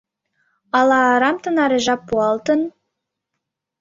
Ала арам тынаре жап пуалтын?